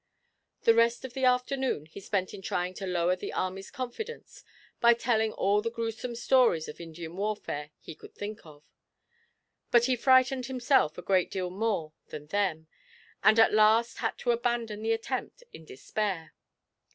The rest of the afternoon he spent in trying to lower the army's confidence by telling all the gruesome stories of Indian warfare he could think of; but he frightened himself a great deal more than them, and at last had to abandon the attempt in despair.